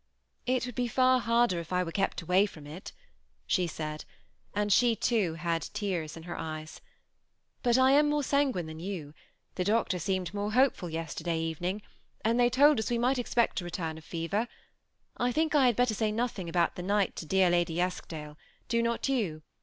" It would be far harder if I were kept awaj from it," she said ; and she, too, had tears in her ejes ;" but I am more sanguine than jou. The doctor seemed more hopeful jesterdaj evening, and thej told us we might expect a return of fever. I think I had better saj nothing about the night to dear Ladj Eskdale ; do not JOU